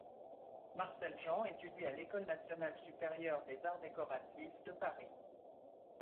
Marcel Jean étudie à l'École nationale supérieure des arts décoratifs de Paris.